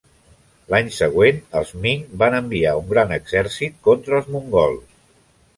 L'any següent, els Ming van enviar un gran exèrcit contra els mongols.